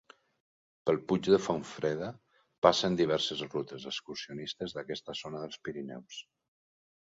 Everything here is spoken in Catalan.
Pel Puig de Fontfreda passen diverses rutes excursionistes d'aquesta zona dels Pirineus.